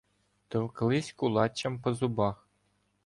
Товклись кулаччям по зубах.